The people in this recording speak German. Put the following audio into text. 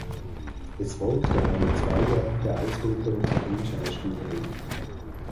Es folgte eine zweijährige Ausbildung zur Filmschauspielerin.